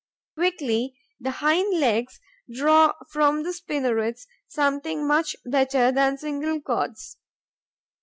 Quickly, the hind legs draw from the spinnerets something much better than single cords.